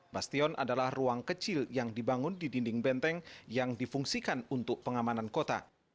bastion adalah ruang kecil yang dibangun di dinding benteng yang difungsikan untuk pengamanan kota